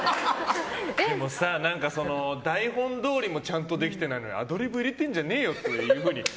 でもさ、台本どおりもちゃんとできてないのにアドリブ入れてんじゃねえよって